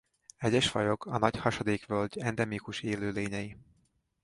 Egyes fajok a Nagy-hasadékvölgy endemikus élőlényei.